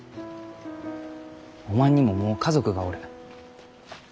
おまんにももう家族がおる。